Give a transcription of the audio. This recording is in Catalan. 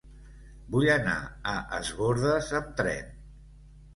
Vull anar a Es Bòrdes amb tren.